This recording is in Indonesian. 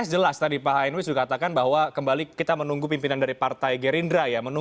jelas tadi pak hainus juga katakan bahwa kembali kita menunggu pimpinan dari partai gerindra ya